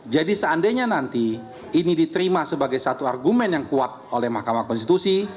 seandainya nanti ini diterima sebagai satu argumen yang kuat oleh mahkamah konstitusi